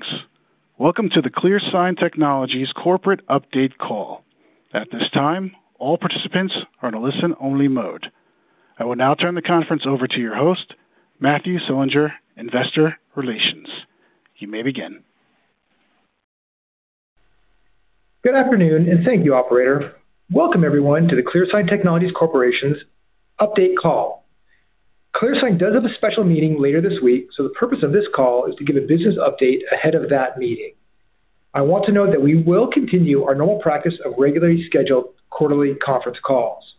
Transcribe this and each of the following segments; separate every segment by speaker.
Speaker 1: Greetings. Welcome to the ClearSign Technologies Corporate Update Call. At this time, all participants are in a listen-only mode. I will now turn the conference over to your host, Matthew Selinger, Investor Relations. You may begin.
Speaker 2: Good afternoon. Thank you, operator. Welcome everyone to the ClearSign Technologies Corporation's update call. ClearSign does have a special meeting later this week. The purpose of this call is to give a business update ahead of that meeting. I want to note that we will continue our normal practice of regularly scheduled quarterly conference calls.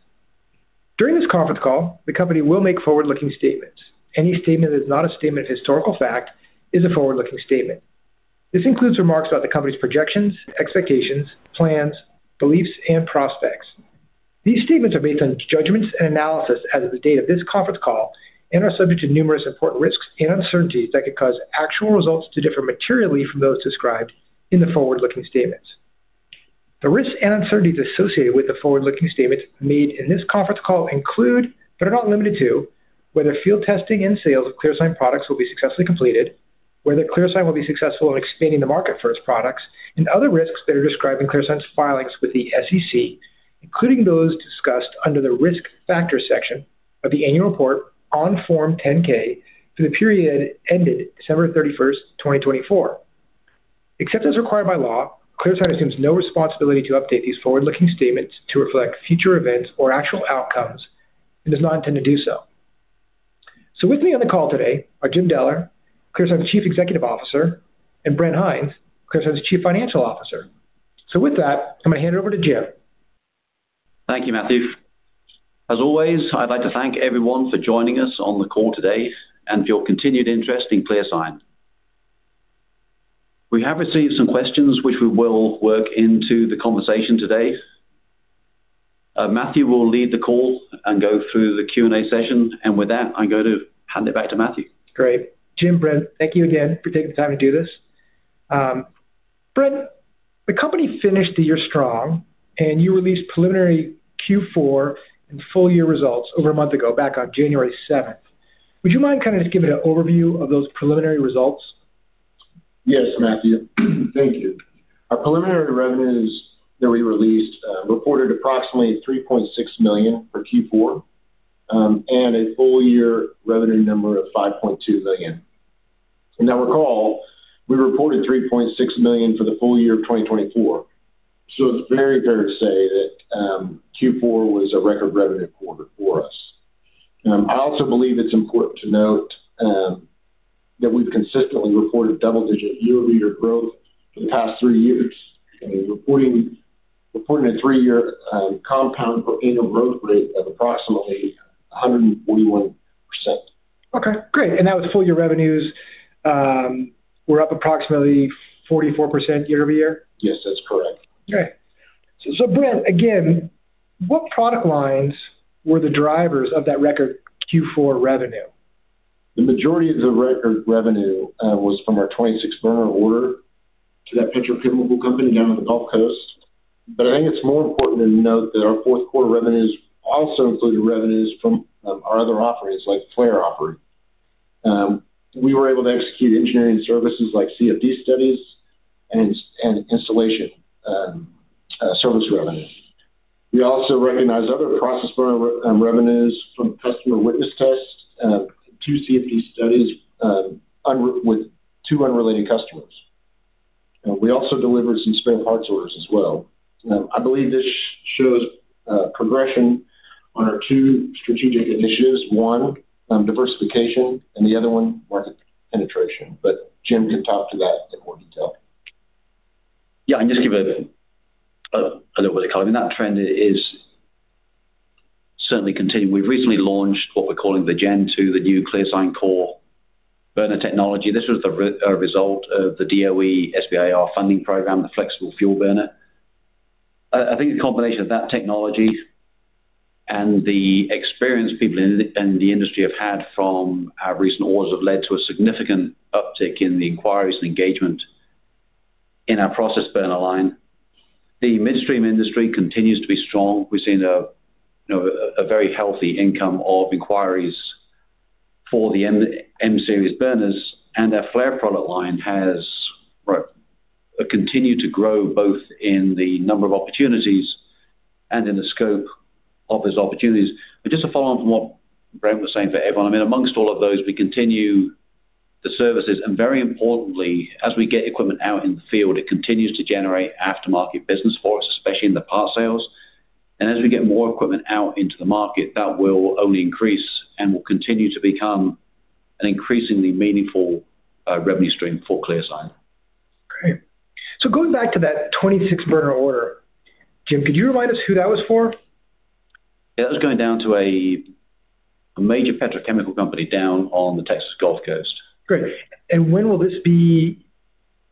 Speaker 2: During this conference call, the company will make forward-looking statements. Any statement that is not a statement of historical fact is a forward-looking statement. This includes remarks about the company's projections, expectations, plans, beliefs, and prospects. These statements are based on judgments and analysis as of the date of this conference call and are subject to numerous important risks and uncertainties that could cause actual results to differ materially from those described in the forward-looking statements. The risks and uncertainties associated with the forward-looking statements made in this conference call include, but are not limited to, whether field testing and sales of ClearSign products will be successfully completed, whether ClearSign will be successful in expanding the market for its products, and other risks that are described in ClearSign's filings with the SEC, including those discussed under the Risk Factors section of the annual report on Form 10-K for the period ended December 31st, 2024. Except as required by law, ClearSign assumes no responsibility to update these forward-looking statements to reflect future events or actual outcomes and does not intend to do so. With me on the call today are Jim Deller, ClearSign's Chief Executive Officer, and Brent Hinds, ClearSign's Chief Financial Officer. With that, I'm going to hand it over to Jim.
Speaker 3: Thank you, Matthew. As always, I'd like to thank everyone for joining us on the call today and for your continued interest in ClearSign. We have received some questions which we will work into the conversation today. Matthew will lead the call and go through the Q&A session. With that, I'm going to hand it back to Matthew.
Speaker 2: Great. Jim, Brent, thank you again for taking the time to do this. Brent, the company finished the year strong, and you released preliminary Q4 and full year results over a month ago, back on January 7th. Would you mind kind of just giving an overview of those preliminary results?
Speaker 4: Matthew, thank you. Our preliminary revenues that we released, reported approximately $3.6 million for Q4, and a full year revenue number of $5.2 billion. You now recall, we reported $3.6 million for the full year of 2024. It's very fair to say that Q4 was a record revenue quarter for us. I also believe it's important to note that we've consistently reported double-digit year-over-year growth for the past three years, and we're reporting a three-year compound annual growth rate of approximately 141%.
Speaker 2: Okay, great. That was full year revenues, were up approximately 44% year-over-year?
Speaker 4: Yes, that's correct.
Speaker 2: Great. Brent, again, what product lines were the drivers of that record Q4 revenue?
Speaker 4: The majority of the record revenue was from our 26 burner order to that petrochemical company down on the Gulf Coast. I think it's more important to note that our fourth quarter revenues also included revenues from our other offerings, like flare offering. We were able to execute engineering services like CFD studies and installation service revenue. We also recognized other process burner revenues from customer witness tests, two CFD studies, with two unrelated customers. We also delivered some spare parts orders as well. I believe this shows progression on our two strategic initiatives, one, diversification, and the other one, market penetration. Jim can talk to that in more detail.
Speaker 3: I can just give a little bit of color. I mean, that trend is certainly continuing. We've recently launched what we're calling the Gen 2, the new ClearSign Core burner technology. This was the result of the DOE SBIR funding program, the flexible fuel burner. I think a combination of that technology and the experience people in the industry have had from our recent orders have led to a significant uptick in the inquiries and engagement in our process burner line. The Midstream industry continues to be strong. We've seen a, you know, a very healthy income of inquiries for the "M" series burners, and our flare product line has, right, continued to grow both in the number of opportunities and in the scope of those opportunities. Just to follow on from what Brent was saying for everyone, I mean, amongst all of those, we continue the services, and very importantly, as we get equipment out in the field, it continues to generate aftermarket business for us, especially in the parts sales. As we get more equipment out into the market, that will only increase and will continue to become an increasingly meaningful revenue stream for ClearSign.
Speaker 2: Great. Going back to that 26 burner order, Jim, could you remind us who that was for?
Speaker 3: Yeah, that was going down to a major petrochemical company down on the Texas Gulf Coast.
Speaker 2: Great. When will this be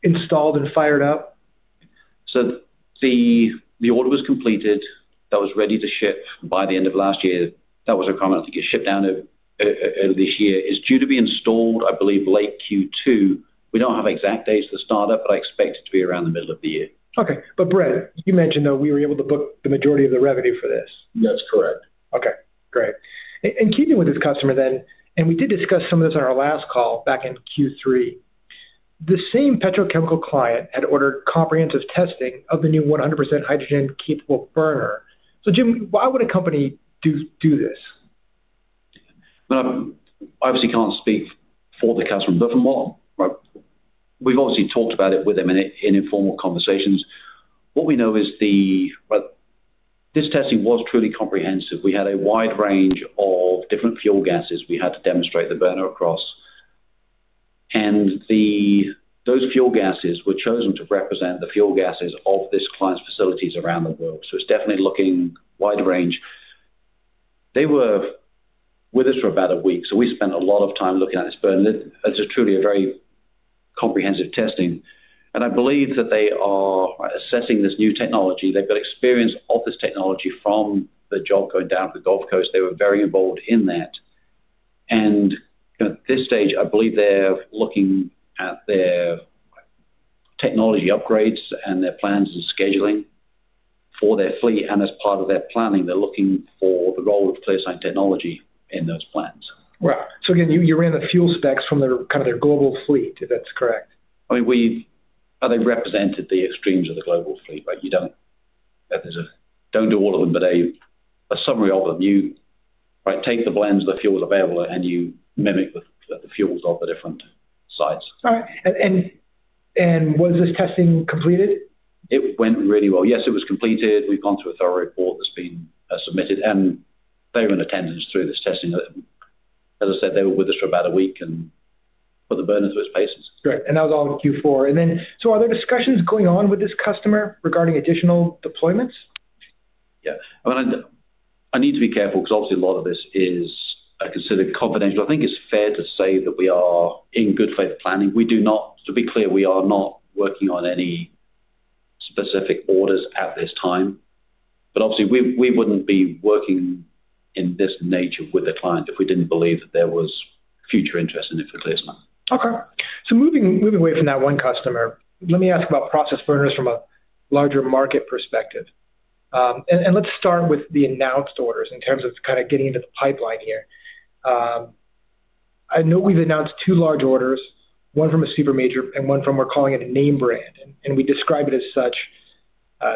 Speaker 2: installed and fired up?
Speaker 3: The order was completed. That was ready to ship by the end of last year. That was a requirement to get shipped down early this year. It's due to be installed, I believe, late Q2. We don't have exact dates for the startup. I expect it to be around the middle of the year.
Speaker 2: Okay, Brent, you mentioned, though, we were able to book the majority of the revenue for this.
Speaker 4: That's correct.
Speaker 2: Okay, great. And keeping with this customer then, and we did discuss some of this on our last call back in Q3. The same petrochemical client had ordered comprehensive testing of the new 100% hydrogen-capable burner. Jim, why would a company do this?
Speaker 3: Well, I obviously can't speak for the customer, but from what, right, we've obviously talked about it with them in informal conversations. What we know is but this testing was truly comprehensive. We had a wide range of different fuel gases we had to demonstrate the burner across, and the, those fuel gases were chosen to represent the fuel gases of this client's facilities around the world. It's definitely looking wide range. They were with us for about a week, so we spent a lot of time looking at this burner. It, it's truly a very comprehensive testing, and I believe that they are assessing this new technology. They've got experience of this technology from the job going down to the Gulf Coast. They were very involved in that. You know, at this stage, I believe they're looking at their technology upgrades and their plans and scheduling for their fleet, and as part of their planning, they're looking for the role of the ClearSign technology in those plans.
Speaker 2: Right. again, you ran the fuel specs from their, kind of their global fleet, if that's correct?
Speaker 3: I mean, They represented the extremes of the global fleet, you don't do all of them, but a summary of them. You, right, take the blends of the fuels available, you mimic the fuels of the different sites.
Speaker 2: All right, was this testing completed?
Speaker 3: It went really well. Yes, it was completed. We've gone through a thorough report that's been submitted, and they were in attendance through this testing. As I said, they were with us for about a week, and put the burners through its paces.
Speaker 2: Great, and that was all in Q4. Are there discussions going on with this customer regarding additional deployments?
Speaker 3: Yeah. I mean, I need to be careful because obviously a lot of this is, considered confidential. I think it's fair to say that we are in good faith planning. To be clear, we are not working on any specific orders at this time, but obviously, we wouldn't be working in this nature with a client if we didn't believe that there was future interest in it for ClearSign.
Speaker 2: Okay. Moving away from that one customer, let me ask about process burners from a larger market perspective. Let's start with the announced orders in terms of kind of getting into the pipeline here. I know we've announced two large orders, one from a super major and one from, we're calling it a name brand, and we describe it as such,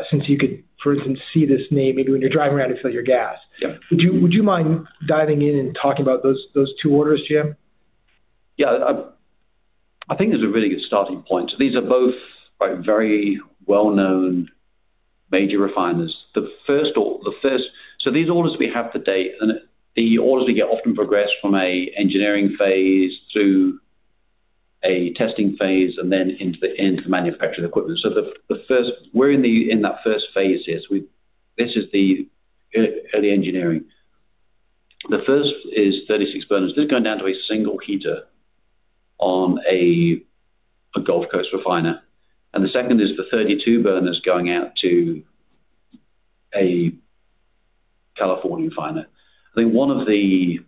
Speaker 2: since you could, for instance, see this name, maybe when you're driving around to fill your gas.
Speaker 3: Yeah.
Speaker 2: Would you mind diving in and talking about those two orders, Jim?
Speaker 3: Yeah. I think there's a really good starting point. These are both very well-known major refiners. These orders we have to date, and the orders we get often progress from an engineering phase to a testing phase and then into the end manufacturing equipment. The first, we're in that first phase, yes. This is the early engineering. The first is 36 burners. They're going down to a single heater on a Gulf Coast refiner, and the second is the 32 burners going out to a California refiner. I think one of the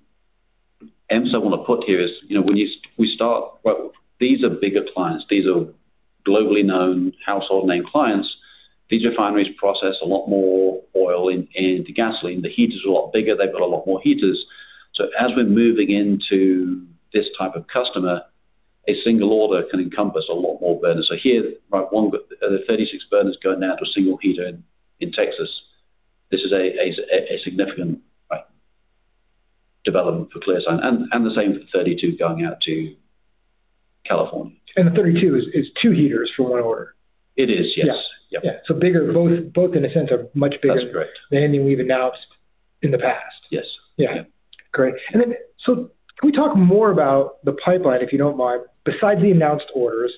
Speaker 3: ends I want to put here is, you know, when we start, well, these are bigger clients. These are globally known household name clients. These refineries process a lot more oil into gasoline. The heaters are a lot bigger. They've got a lot more heaters. As we're moving into this type of customer, a single order can encompass a lot more burners. Here, the 36 burners going out to a single heater in Texas, this is a significant development for ClearSign, and the same for the 32 going out to California.
Speaker 2: The 32 is two heaters for one order?
Speaker 3: It is, yes.
Speaker 2: Yeah.
Speaker 3: Yep.
Speaker 2: Bigger, both in a sense, are much bigger.
Speaker 3: That's correct.
Speaker 2: Than any we've announced in the past.
Speaker 3: Yes.
Speaker 2: Yeah.
Speaker 3: Yeah.
Speaker 2: Great. Can we talk more about the pipeline, if you don't mind, besides the announced orders?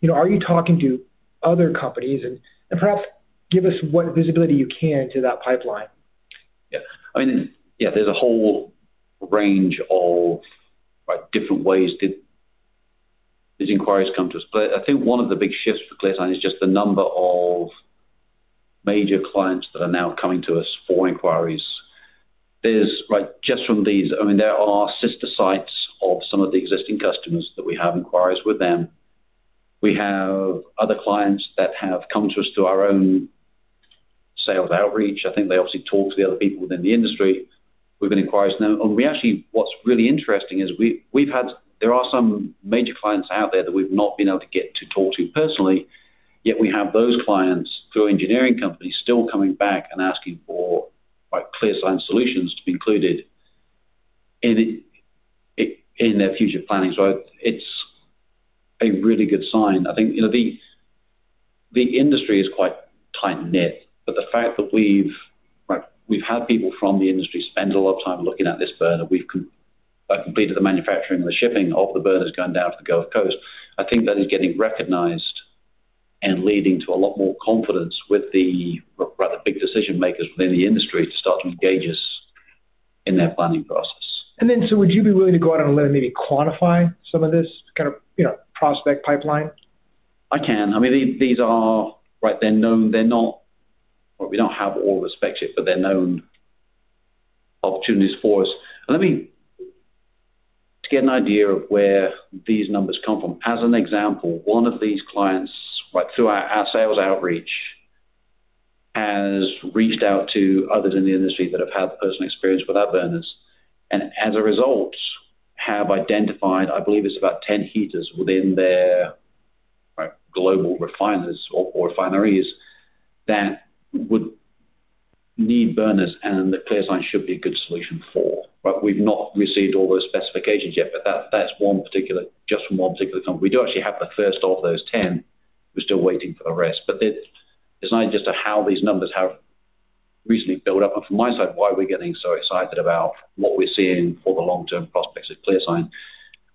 Speaker 2: You know, are you talking to other companies? Perhaps give us what visibility you can to that pipeline.
Speaker 3: I mean, there's a whole range of, like, different ways that these inquiries come to us. I think one of the big shifts for ClearSign is just the number of major clients that are now coming to us for inquiries. There's, like, just from these, I mean, there are sister sites of some of the existing customers that we have inquiries with them. We have other clients that have come to us, through our own sales outreach. I think they obviously talk to the other people within the industry. We've got inquiries now, and we actually, what's really interesting is There are some major clients out there that we've not been able to get to talk to personally, yet we have those clients, through engineering companies, still coming back and asking for, like, ClearSign solutions to be included in their future planning. It's a really good sign. I think, you know, the industry is quite tight-knit, but the fact that we've had people from the industry spend a lot of time looking at this burner. We've like completed the manufacturing and the shipping of the burners going down to the Gulf Coast. I think that is getting recognized and leading to a lot more confidence with the big decision-makers within the industry to start to engage us in their planning process.
Speaker 2: Would you be willing to go out on a limb and maybe quantify some of this kind of, you know, prospect pipeline?
Speaker 3: I can. I mean, these are. Right, they're known, we don't have all the specs yet, but they're known opportunities for us. To get an idea of where these numbers come from, as an example, one of these clients, right, through our sales outreach has reached out to others in the industry that have had personal experience with our burners, and as a result, have identified, I believe, it's about 10 heaters within their, right, global refiners or refineries that would need burners, and that ClearSign should be a good solution for. We've not received all those specifications yet, but that's one particular just from one particular company. We do actually have the first of those 10. We're still waiting for the rest. It's not just a how these numbers have recently built up, and from my side, why we're getting so excited about what we're seeing for the long-term prospects of ClearSign.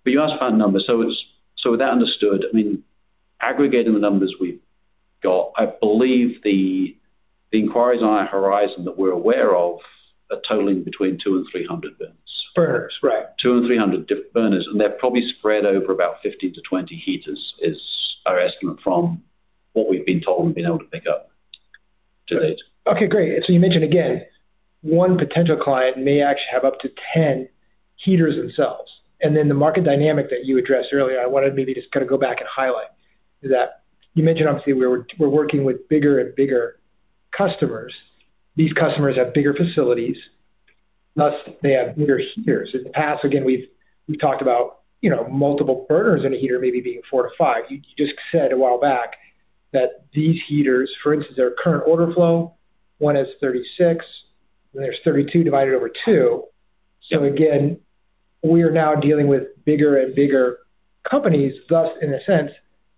Speaker 3: You asked about numbers, so with that understood, I mean, aggregating the numbers we've got, I believe the inquiries on our horizon that we're aware of are totaling between 200 and 300 burners.
Speaker 2: Burners, right.
Speaker 3: 200 and 300 burners, and they're probably spread over about 15-20 heaters, is our estimate from what we've been told and been able to pick up to date.
Speaker 2: Okay, great. You mentioned, again, one potential client may actually have up to 10 heaters themselves. The market dynamic that you addressed earlier, I wanted maybe to just kinda go back and highlight, is that you mentioned, obviously, we're working with bigger and bigger customers. These customers have bigger facilities, thus they have bigger heaters. In the past, again, we've talked about, you know, multiple burners in a heater maybe being four to five. You just said a while back that these heaters, for instance, their current order flow, one is 36, then there's 32 divided over two. Again, we are now dealing with bigger and bigger companies, thus, in a sense,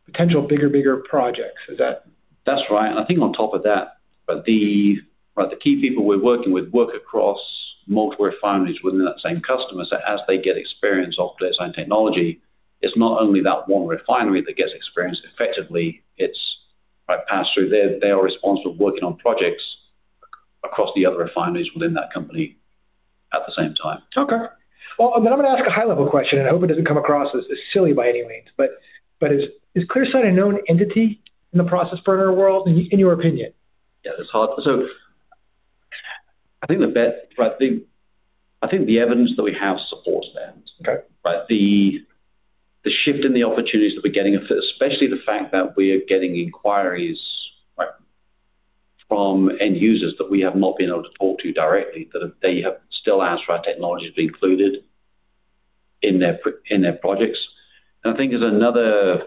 Speaker 2: potential bigger and bigger projects. Is that?
Speaker 3: That's right. I think on top of that, the key people we're working with work across multiple refineries within that same customer. As they get experience of ClearSign technology, it's not only that one refinery that gets experience effectively, it's by pass through. They are responsible for working on projects across the other refineries within that company at the same time.
Speaker 2: I'm gonna ask a high-level question, and I hope it doesn't come across as silly by any means, but is ClearSign a known entity in the process burner world, in your opinion?
Speaker 3: Yeah, it's hard. I think the evidence that we have supports that.
Speaker 2: Okay.
Speaker 3: The shift in the opportunities that we're getting, especially the fact that we are getting inquiries, right, from end users that we have not been able to talk to directly, that they have still asked for our technology to be included in their projects. I think there's another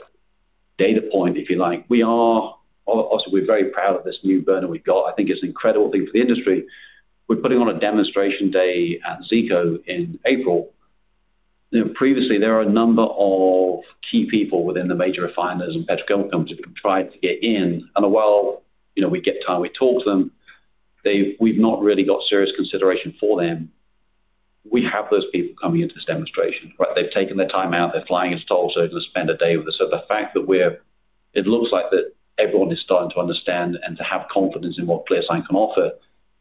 Speaker 3: data point, if you like. Obviously, we're very proud of this new burner we've got. I think it's an incredible thing for the industry. We're putting on a demonstration day at Zeeco in April. You know, previously, there are a number of key people within the major refiners and petrochemical companies who have tried to get in. While, you know, we get time, we talk to them, we've not really got serious consideration for them. We have those people coming into this demonstration, right? They've taken their time out, they're flying us to also to spend a day with us. The fact that it looks like that everyone is starting to understand and to have confidence in what ClearSign can offer,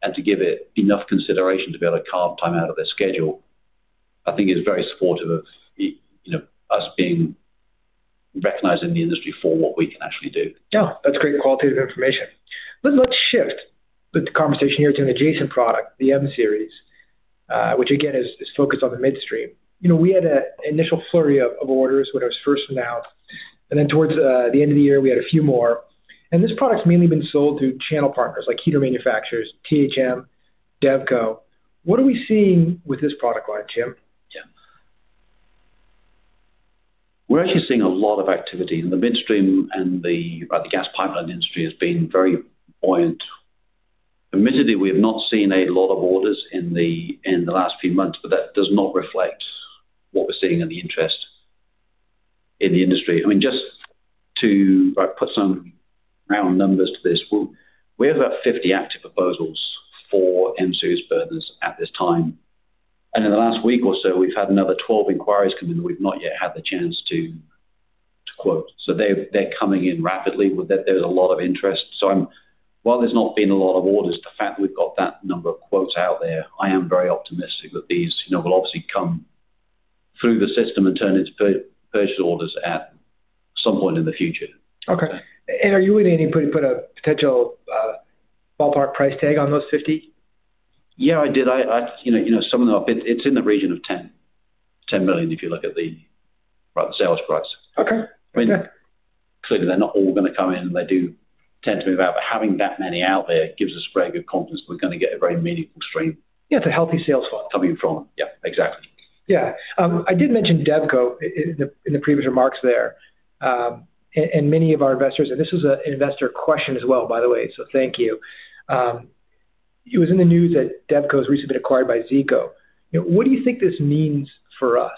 Speaker 3: and to give it enough consideration to be able to carve time out of their schedule, I think is very supportive of, you know, us being recognized in the industry for what we can actually do.
Speaker 2: Yeah, that's great qualitative information. let's shift the conversation here to an adjacent product, the "M" series, which again, is focused on the Midstream. You know, we had a initial flurry of orders when it was first announced, and then towards the end of the year, we had a few more. this product's mainly been sold through channel partners like heater manufacturers, THM, Devco. What are we seeing with this product line, Jim?
Speaker 3: Yeah. We're actually seeing a lot of activity, and the Midstream and the gas pipeline industry has been very buoyant. Admittedly, we have not seen a lot of orders in the last few months, but that does not reflect what we're seeing and the interest in the industry. I mean, just to, like, put some round numbers to this. Well, we have about 50 active proposals for "M" series burners at this time. In the last week or so, we've had another 12 inquiries come in, we've not yet had the chance to quote. They're coming in rapidly, with that, there's a lot of interest. I'm while there's not been a lot of orders, the fact that we've got that number of quotes out there, I am very optimistic that these, you know, will obviously come through the system and turn into purchase orders at some point in the future.
Speaker 2: Okay. Are you willing to put a potential ballpark price tag on those 50?
Speaker 3: Yeah, I did. I. You know, some of them it's in the region of $10 million, if you look at the, right, the sales price.
Speaker 2: Okay. Fair.
Speaker 3: Clearly, they're not all gonna come in. They do tend to move out, but having that many out there gives us very good confidence that we're gonna get a very meaningful stream.
Speaker 2: Yeah, it's a healthy sales funnel.
Speaker 3: Coming from. Yeah, exactly.
Speaker 2: Yeah. I did mention Devco in the previous remarks there, and many of our investors, and this is an investor question as well, by the way, thank you. It was in the news that Devco has recently been acquired by Zeeco. You know, what do you think this means for us?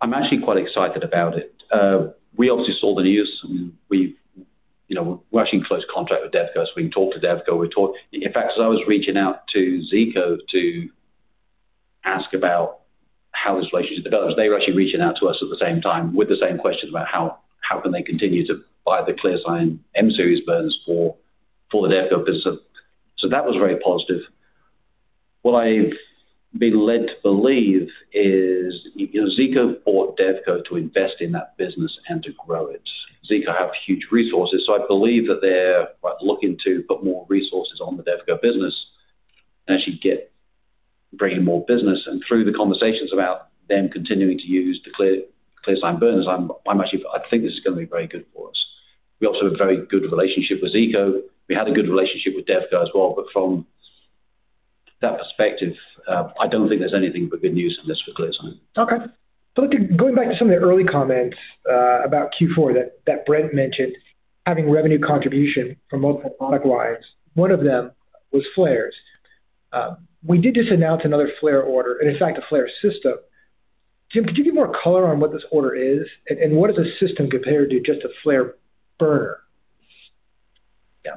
Speaker 3: I'm actually quite excited about it. We obviously saw the news, you know, we're actually in close contact with Devco, so we can talk to Devco. In fact, as I was reaching out to Zeeco to ask about how this relationship develops, they were actually reaching out to us at the same time with the same questions about how can they continue to buy the ClearSign "M" series burners for the Devco business. That was very positive. What I've been led to believe is, you know, Zeeco bought Devco to invest in that business and to grow it. Zeeco have huge resources, I believe that they're, like, looking to put more resources on the Devco business and actually. Bring in more business, through the conversations about them continuing to use the ClearSign burners, I'm actually, I think this is going to be very good for us. We also have a very good relationship with Zeeco. We had a good relationship with Devco as well, from that perspective, I don't think there's anything but good news in this for ClearSign.
Speaker 2: Okay. Going back to some of the early comments, about Q4 that Brent mentioned, having revenue contribution from multiple product lines, one of them was flares. We did just announce another flare order, and in fact, a flare system. Jim, could you give more color on what this order is, and what is the system compared to just a flare burner?
Speaker 3: Yeah.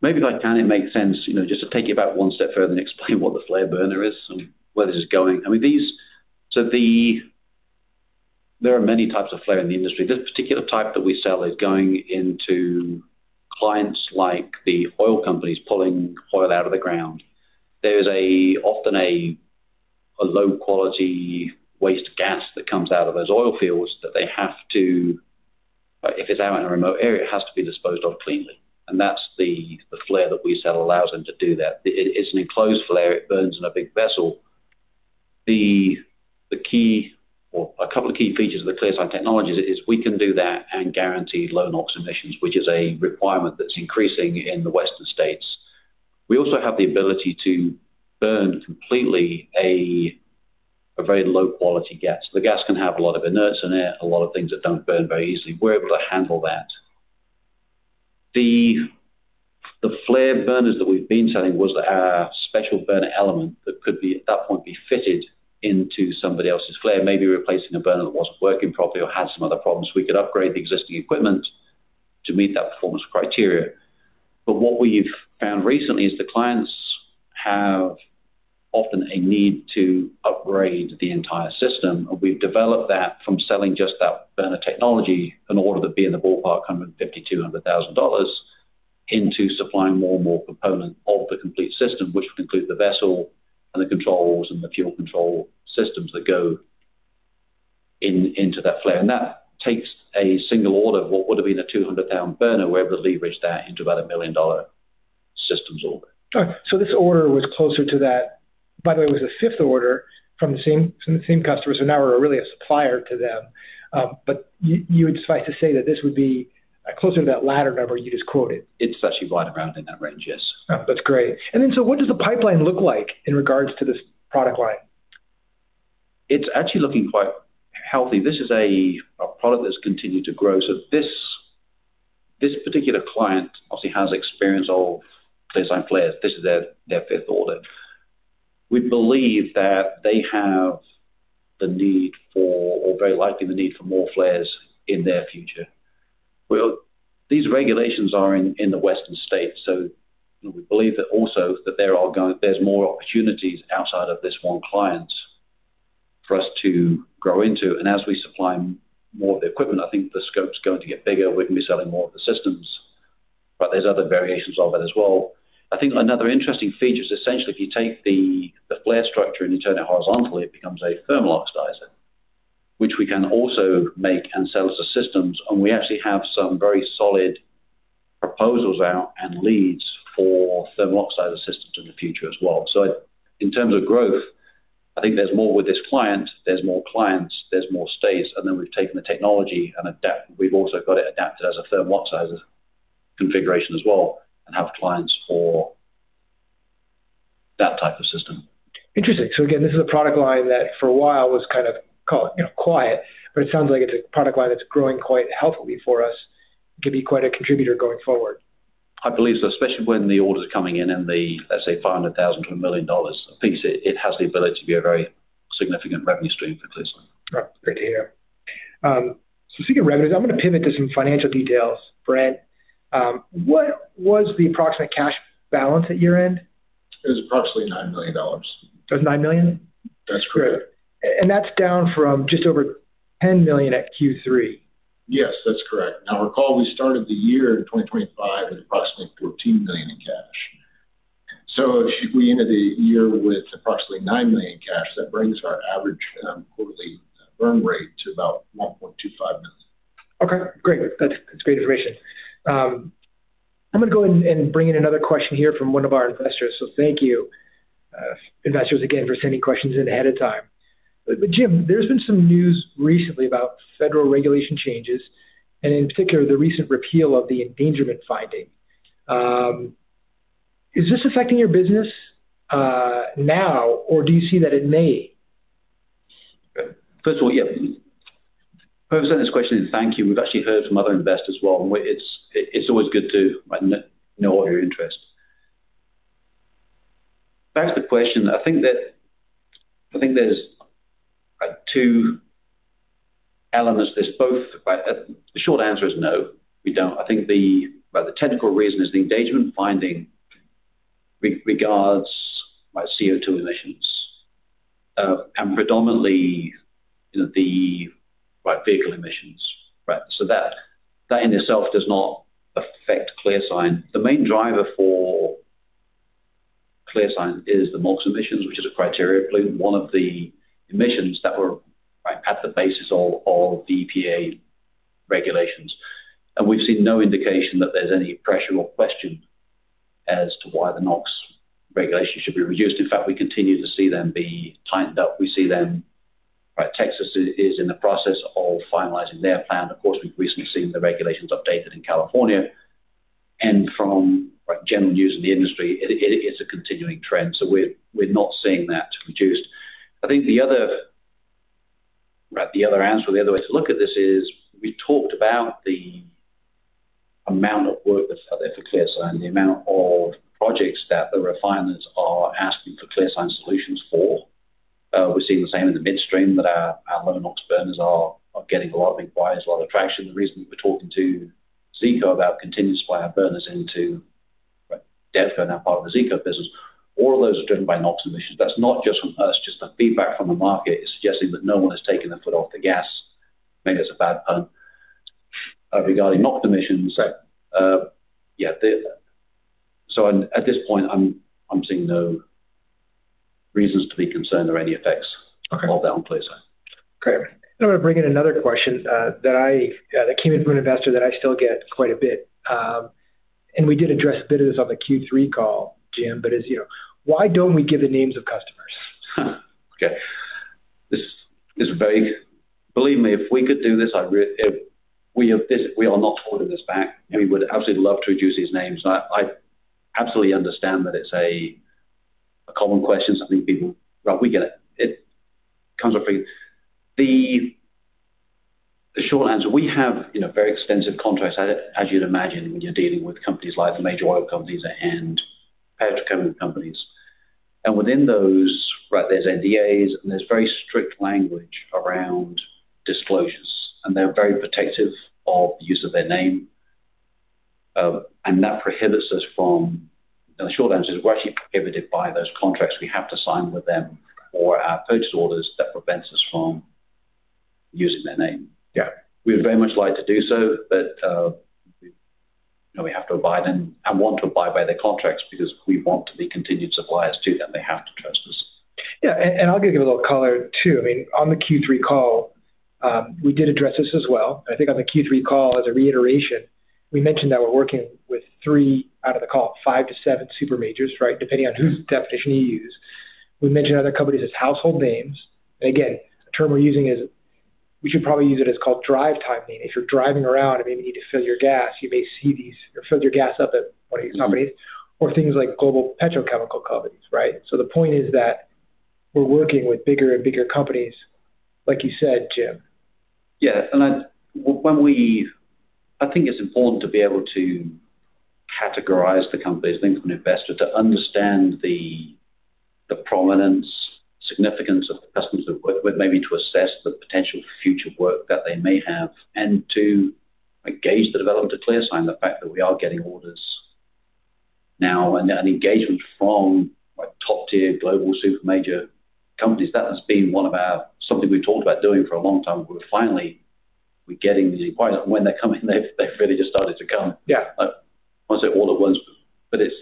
Speaker 3: Maybe if I can, it makes sense, you know, just to take you back one step further and explain what the flare burner is and where this is going. I mean, there are many types of flare in the industry. This particular type that we sell is going into clients like the oil companies, pulling oil out of the ground. There's a, often a low-quality waste gas that comes out of those oil fields that they have to, if it's out in a remote area, it has to be disposed of cleanly, and that's the flare that we sell allows them to do that. It is an enclosed flare. It burns in a big vessel. The key or a couple of key features of the ClearSign Technologies is we can do that and guarantee low NOx emissions, which is a requirement that's increasing in the western states. We also have the ability to burn completely a very low-quality gas. The gas can have a lot of inerts in it, a lot of things that don't burn very easily. We're able to handle that. The flare burners that we've been selling was a special burner element that could at that point be fitted into somebody else's flare, maybe replacing a burner that wasn't working properly or had some other problems. We could upgrade the existing equipment to meet that performance criteria. What we've found recently is the clients have often a need to upgrade the entire system, and we've developed that from selling just that burner technology, an order that be in the ballpark, $150,000-$200,000, into supplying more and more component of the complete system, which would include the vessel and the controls and the fuel control systems that go into that flare. That takes a single order of what would have been a 200-lb burner. We're able to leverage that into about a $1 million systems order.
Speaker 2: This order was closer to that. By the way, it was a fifth order from the same customer, so now we're really a supplier to them. You would suffice to say that this would be closer to that latter number you just quoted?
Speaker 3: It's actually right around in that range, yes.
Speaker 2: That's great. What does the pipeline look like in regards to this product line?
Speaker 3: It's actually looking quite healthy. This is a product that's continued to grow. This particular client obviously has experience of ClearSign flares. This is their fifth order. We believe that they have the need for, or very likely the need for more flares in their future. These regulations are in the western states, we believe that also that there's more opportunities outside of this one client for us to grow into. As we supply more of the equipment, I think the scope is going to get bigger. We're going to be selling more of the systems, but there's other variations of it as well. I think another interesting feature is essentially, if you take the flare structure and you turn it horizontally, it becomes a thermal oxidizer, which we can also make and sell as the systems. We actually have some very solid proposals out and leads for thermal oxidizer systems in the future as well. In terms of growth, I think there's more with this client, there's more clients, there's more states, and then we've taken the technology we've also got it adapted as a thermal oxidizer configuration as well, and have clients for that type of system.
Speaker 2: Interesting. Again, this is a product line that for a while was kind of, call it, you know, quiet, but it sounds like it's a product line that's growing quite healthily for us. Could be quite a contributor going forward.
Speaker 3: I believe so, especially when the orders are coming in and the, let's say, $500,000-$1 million. I think it has the ability to be a very significant revenue stream for ClearSign.
Speaker 2: Great to hear. Speaking of revenues, I'm going to pivot to some financial details, Brent. What was the approximate cash balance at year-end?
Speaker 4: It was approximately $9 million.
Speaker 2: It was $9 million?
Speaker 4: That's correct.
Speaker 2: That's down from just over $10 million at Q3.
Speaker 4: Yes, that's correct. Recall, we started the year in 2025 with approximately $14 million in cash. If we ended the year with approximately $9 million in cash, that brings our average quarterly burn rate to about $1.25 million.
Speaker 2: Okay, great. That's great information. I'm going to go ahead and bring in another question here from one of our investors. Thank you, investors, again for sending questions in ahead of time. Jim, there's been some news recently about federal regulation changes, and in particular, the recent repeal of the endangerment finding. Is this affecting your business now, or do you see that it may?
Speaker 3: First of all, yeah, whoever sent this question in, thank you. We've actually heard from other investors as well, it's always good to know all your interests. Back to the question, I think that, I think there's two elements. The short answer is no, we don't. I think the, well, the technical reason is the endangerment finding regards, like, CO2 emissions, and predominantly, you know, the right vehicle emissions, right? That, that in itself does not affect ClearSign. The main driver for ClearSign is the NOx emissions, which is a criteria pollutant, one of the emissions that were, right, at the basis of the EPA regulations. We've seen no indication that there's any pressure or question as to why the NOx regulations should be reduced. In fact, we continue to see them be tightened up. We see them, right, Texas is in the process of finalizing their plan. Of course, we've recently seen the regulations updated in California. From, like, general news in the industry, it is a continuing trend, so we're not seeing that reduced. I think the other, right, the other answer, the other way to look at this is, we talked about the amount of work that's out there for ClearSign, the amount of projects that the refiners are asking for ClearSign solutions for. We're seeing the same in the Midstream, that our lower NOx burners are getting a lot of inquiries, a lot of traction. The reason we're talking to Zeeco about continuous fire burners into Devco, now part of the Zeeco business, all of those are driven by NOx emissions. That's not just from us, just the feedback from the market is suggesting that no one has taken their foot off the gas. Maybe that's a bad pun, regarding NOx emissions. Yeah, at this point, I'm seeing no reasons to be concerned or any effects-
Speaker 2: Okay.
Speaker 3: Of that on ClearSign.
Speaker 2: Great. I want to bring in another question that came in from an investor that I still get quite a bit. We did address a bit of this on the Q3 call, Jim, but as you know, why don't we give the names of customers?
Speaker 3: Okay. This is very. Believe me, if we could do this, if we are, we are not holding this back. We would absolutely love to introduce these names. I absolutely understand that it's a common question, something people. Well, we get it. It comes up again. The short answer, we have, you know, very extensive contracts, as you'd imagine, when you're dealing with companies like the major oil companies and petrochemical companies. Within those, right, there's NDAs, and there's very strict language around disclosures, and they're very protective of the use of their name. That prohibits us from. The short answer is we're actually prohibited by those contracts we have to sign with them, or our purchase orders, that prevents us from using their name.
Speaker 2: Yeah.
Speaker 3: We'd very much like to do so, but, you know, we have to abide and want to abide by their contracts because we want to be continued suppliers to them. They have to trust us.
Speaker 2: Yeah, I'll give you a little color, too. I mean, on the Q3 call, we did address this as well. I think on the Q3 call, as a reiteration, we mentioned that we're working with three out of the call, five to seven super majors, right? Depending on whose definition you use. We mentioned other companies as household names. Again, the term we're using is, we should probably use it as called drive time name. If you're driving around and maybe need to fill your gas, you may see these, or fill your gas up at one of these companies, or things like global petrochemical companies, right? The point is that we're working with bigger and bigger companies, like you said, Jim.
Speaker 3: Yeah, I think it's important to be able to categorize the companies, I think, from an investor, to understand the prominence, significance of the customers that we're with, maybe to assess the potential for future work that they may have, and to engage the development of ClearSign, the fact that we are getting orders. An engagement from, like, top-tier global super major companies, that has been something we've talked about doing for a long time. Finally, we're getting these inquiries. When they're coming, they've really just started to come.
Speaker 2: Yeah.
Speaker 3: Like, I won't say all at once, but it's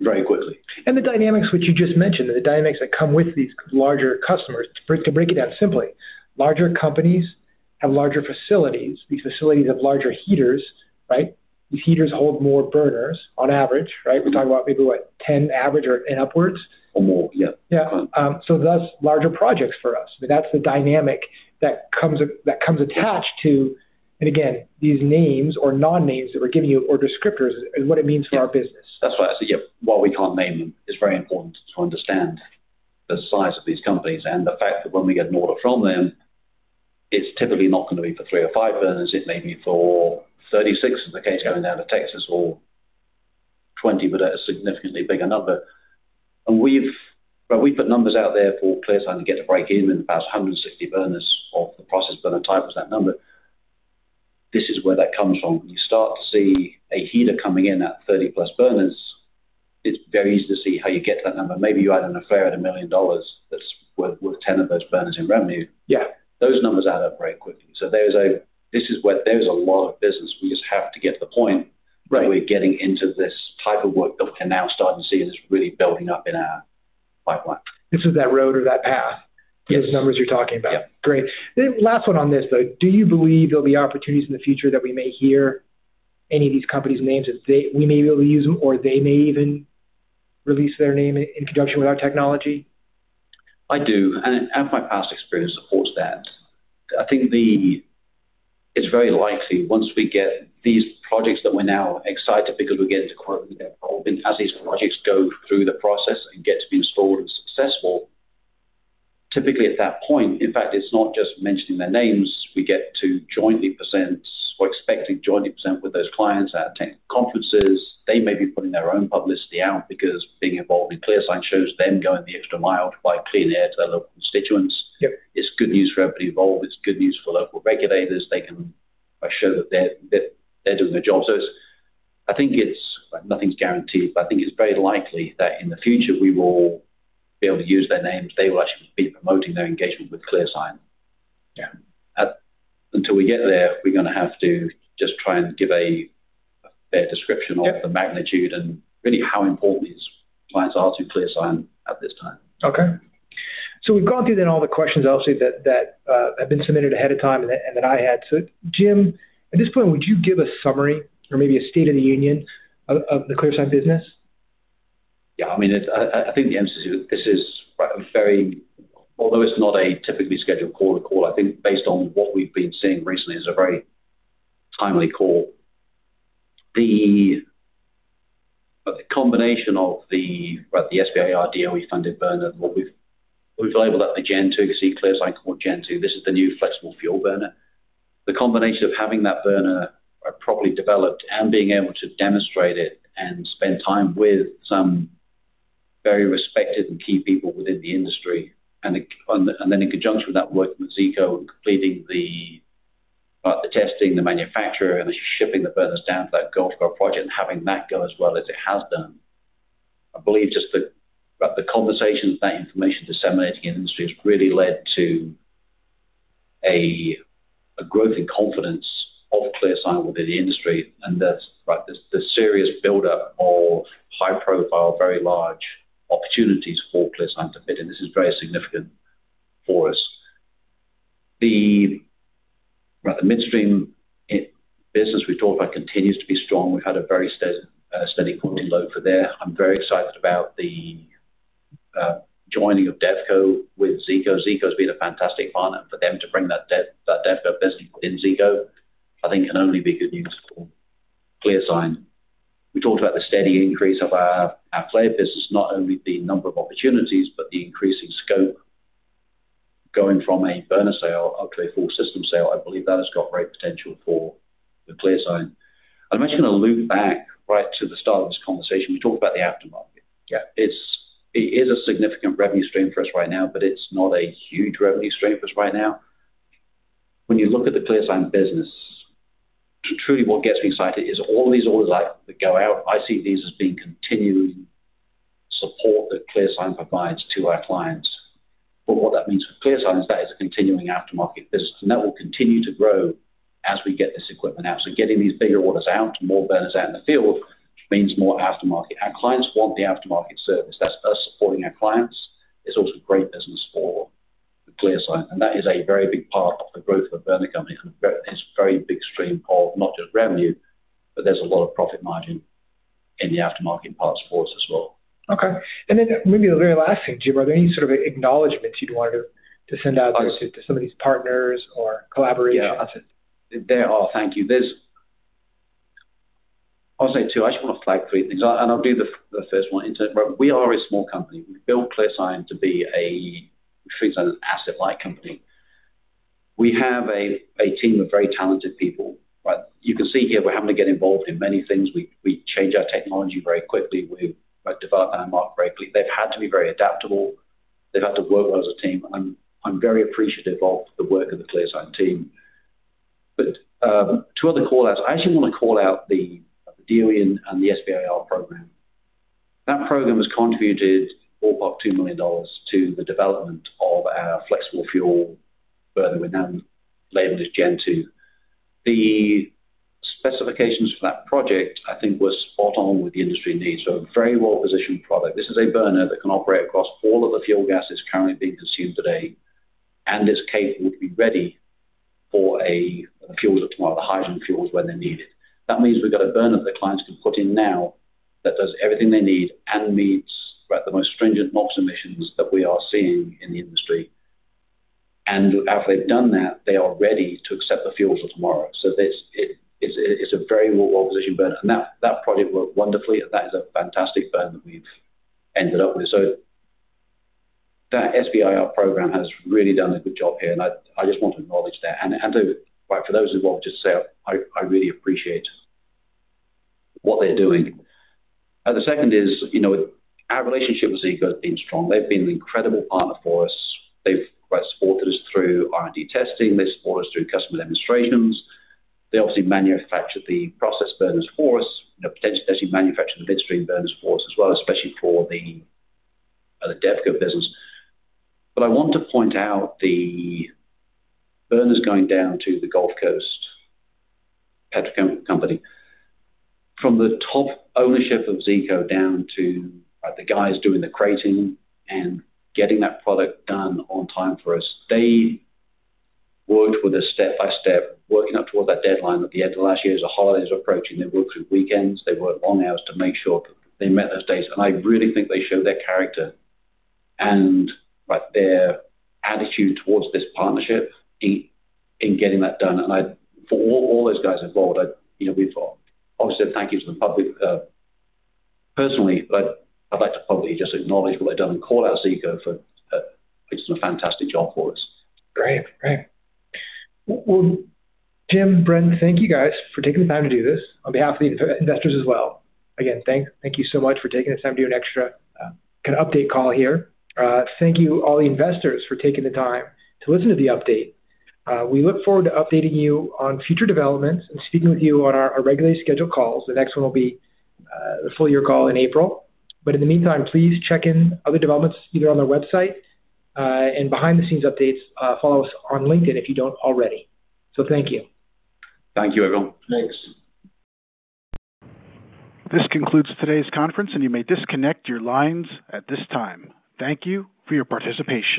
Speaker 3: very quickly.
Speaker 2: The dynamics which you just mentioned, the dynamics that come with these larger customers, to break it down simply, larger companies have larger facilities. These facilities have larger heaters, right? These heaters hold more burners on average, right? We're talking about maybe what, 10 average or, and upwards?
Speaker 3: More, yeah.
Speaker 2: Yeah. Thus, larger projects for us. That's the dynamic that comes with, that comes attached to, and again, these names or non-names that we're giving you, or descriptors, and what it means for our business.
Speaker 3: That's why I said, yeah, while we can't name them, it's very important to understand the size of these companies and the fact that when we get an order from them, it's typically not going to be for three or five burners. It may be for 36, as the case going down to Texas, or 20, but at a significantly bigger number. Well, we put numbers out there for ClearSign to get a break even, about 160 burners of the process burner type was that number. This is where that comes from. You start to see a heater coming in at 30+ burners, it's very easy to see how you get that number. Maybe you add in a flare at $1 million, that's worth 10 of those burners in revenue.
Speaker 2: Yeah.
Speaker 3: Those numbers add up very quickly. There is this is where there's a lot of business. We just have to get to the point-
Speaker 2: Right.
Speaker 3: -where we're getting into this type of work that we can now start to see is really building up in our pipeline.
Speaker 2: This is that road or that path.
Speaker 3: Yes.
Speaker 2: these numbers you're talking about.
Speaker 3: Yeah.
Speaker 2: Great. Last one on this, though. Do you believe there'll be opportunities in the future that we may hear any of these companies' names, as we may be able to use them, or they may even release their name in conjunction with our technology?
Speaker 3: I do, and my past experience supports that. I think it's very likely once we get these projects that we're now excited because we get into quote, "involved," as these projects go through the process and get to be installed and successful, typically at that point, in fact, it's not just mentioning their names, we get to jointly present, we're expecting to jointly present with those clients at tech conferences. They may be putting their own publicity out because being involved in ClearSign shows them going the extra mile to provide clean air to their local constituents.
Speaker 2: Yeah.
Speaker 3: It's good news for everybody involved. It's good news for local regulators. They can show that they're doing their job. I think it's, nothing's guaranteed, but I think it's very likely that in the future we will be able to use their names. They will actually be promoting their engagement with ClearSign.
Speaker 2: Yeah.
Speaker 3: Until we get there, we're going to have to just try and give a description of the magnitude and really how important these clients are to ClearSign at this time.
Speaker 2: Okay. We've gone through then all the questions, obviously, that, have been submitted ahead of time and that, and that I had. Jim, at this point, would you give a summary or maybe a state of the union of the ClearSign business?
Speaker 3: I mean, I think the answer to this is, although it's not a typically scheduled quarter call, I think based on what we've been seeing recently, it's a very timely call. The combination of the, right, the DOE SBIR-funded burner, we've labeled that the Gen 2. You see ClearSign call Gen 2. This is the new flexible fuel burner. The combination of having that burner properly developed and being able to demonstrate it and spend time with some very respected and key people within the industry, and then in conjunction with that, working with Zeeco and completing the testing, the manufacturing, and the shipping the burners down to that Gulf Coast project and having that go as well as it has done. I believe just the conversation, that information disseminating in the industry has really led to a growth in confidence of ClearSign within the industry. That's right, there's a serious buildup of high-profile, very large opportunities for ClearSign to bid. This is very significant for us. The Midstream business we talked about continues to be strong. We've had a very steady loading load for there. I'm very excited about the joining of Devco with Zeeco. Zeeco has been a fantastic partner. For them to bring that Devco business within Zeeco, I think can only be good news for ClearSign. We talked about the steady increase of our player business, not only the number of opportunities, but the increasing scope. Going from a burner sale up to a full system sale, I believe that has got great potential for the ClearSign. I'm actually going to loop back right to the start of this conversation. We talked about the aftermarket. Yeah, it's, it is a significant revenue stream for us right now, but it's not a huge revenue stream for us right now. When you look at the ClearSign business, truly what gets me excited is all these orders out that go out, I see these as being continuing support that ClearSign provides to our clients. What that means for ClearSign is that is a continuing aftermarket business, and that will continue to grow as we get this equipment out. Getting these bigger orders out, more burners out in the field, means more aftermarket. Our clients want the aftermarket service. That's us supporting our clients. It's also great business for ClearSign, and that is a very big part of the growth of the burner company, and it's a very big stream of not just revenue, but there's a lot of profit margin in the aftermarket parts for us as well.
Speaker 2: Maybe the very last thing, Jim, are there any sort of acknowledgments you'd want to send out to some of these partners or collaborators?
Speaker 3: Yeah, there are. Thank you. I'll say two. I just want to flag three things, and I'll do the first one. We are a small company. We built ClearSign to be a, we treat as an asset-light company. We have a team of very talented people, but you can see here we're having to get involved in many things. We change our technology very quickly. We develop and mark quickly. They've had to be very adaptable. They've had to work well as a team. I'm very appreciative of the work of the ClearSign team. Two other call-outs. I actually want to call out the DOE and the SBIR program. That program has contributed over up $2 million to the development of our flexible fuel burner. We've now labeled as Gen 2. The specifications for that project, I think, were spot on with the industry needs, a very well-positioned product. This is a burner that can operate across all of the fuel gases currently being consumed today, and is capable to be ready for a fuels of tomorrow, the hydrogen fuels when they're needed. That means we've got a burner that the clients can put in now that does everything they need and meets, right, the most stringent NOx emissions that we are seeing in the industry. After they've done that, they are ready to accept the fuels of tomorrow. This, it's a very well-positioned burner, and that project worked wonderfully. That is a fantastic burner that we've ended up with. That SBIR program has really done a good job here, and I just want to acknowledge that. To, like, for those involved, just say I really appreciate what they're doing. The second is, you know, our relationship with Zeeco has been strong. They've been an incredible partner for us. They've quite supported us through R&D testing. They support us through customer demonstrations. They obviously manufacture the process burners for us, potentially manufacturing the Midstream burners for us as well, especially for the Devco business. I want to point out the burners going down to the Gulf Coast Petrochemical Company. From the top ownership of Zeeco down to the guys doing the crating and getting that product done on time for us, they worked with us step by step, working up toward that deadline at the end of last year as the holidays were approaching. They worked through weekends, they worked long hours to make sure they met those dates. I really think they showed their character and, like, their attitude towards this partnership in getting that done. For all those guys involved, I, you know, we've obviously a thank you to the public, personally, but I'd like to publicly just acknowledge what they've done and call out Zeeco for doing a fantastic job for us.
Speaker 2: Great. Great. Well, Jim, Brent, thank you guys for taking the time to do this on behalf of the investors as well. Again, thank you so much for taking the time to do an extra, kind of update call here. Thank you, all the investors, for taking the time to listen to the update. We look forward to updating you on future developments and speaking with you on our regularly scheduled calls. The next one will be, the full year call in April, but in the meantime, please check in other developments, either on their website, and behind-the-scenes updates, follow us on LinkedIn if you don't already. Thank you.
Speaker 3: Thank you, everyone.
Speaker 4: Thanks.
Speaker 1: This concludes today's conference, and you may disconnect your lines at this time. Thank you for your participation.